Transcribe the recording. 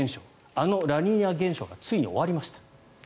あのラニーニャ現象がついに終わりました。